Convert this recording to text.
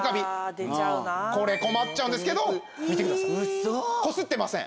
これ困っちゃうんですけど見てくださいこすってません。